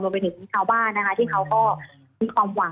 ไปถึงชาวบ้านนะคะที่เขาก็มีความหวัง